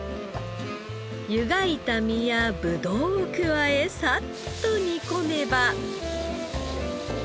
湯がいた身やブドウを加えさっと煮込めば。